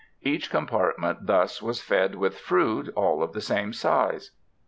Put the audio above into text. Each compartment thus was fed with fruit all of the same size.